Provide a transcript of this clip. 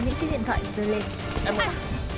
đi ra chỗ khác mà